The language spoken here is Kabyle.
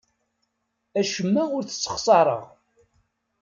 Acemma ur t-ssexṣareɣ.